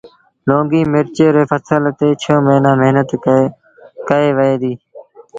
لونگي مرچ ري ڦسل تي ڇه موهيݩآݩ مهنت ڪئيٚ وهي ديٚ